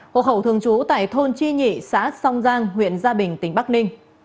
hồ hậu thường chú tại thôn chi nhị xã song giang huyện gia bình tỉnh bắc ninh